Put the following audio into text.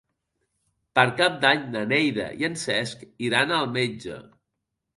Per Cap d'Any na Neida i en Cesc iran al metge.